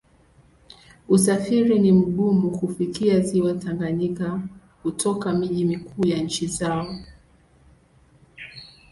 Usafiri ni mgumu kufikia Ziwa Tanganyika kutoka miji mikuu ya nchi zao.